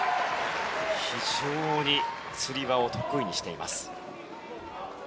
非常につり輪を得意にしています。